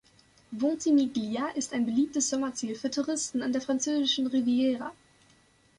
Ventimiglia ist ein beliebtes Sommerziel für Touristen an der französischen Riviera.